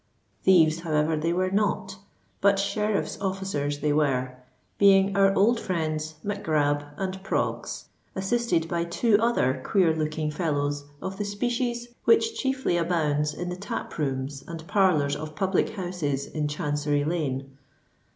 Thieves, however, they were not: but sheriff's officers they were,—being our old friends Mac Grab and Proggs, assisted by two other queer looking fellows of the species which chiefly abounds in the tap rooms and parlours of public houses in Chancery Lane.